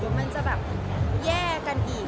เดี๋ยวมันจะแบบแย่กันอีก